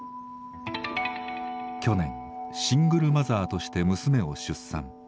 去年シングルマザーとして娘を出産。